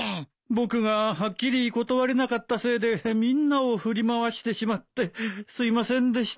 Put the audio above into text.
僕がはっきり断れなかったせいでみんなを振り回してしまってすいませんでした。